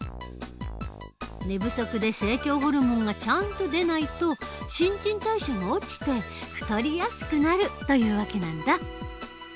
寝不足で成長ホルモンがちゃんと出ないと新陳代謝が落ちて太りやすくなるという訳なんだ。